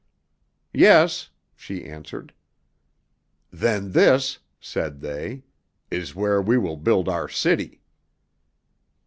"Yes," she answered. "Then this," said they, "is where we will build our city."